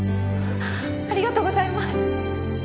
ありがとうございます。